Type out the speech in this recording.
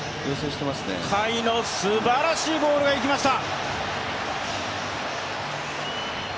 甲斐のすばらしいボールがいきました。